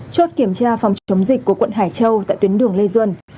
chốt kiểm tra phòng chống dịch của quận hải châu tại tuyến đường lê duẩn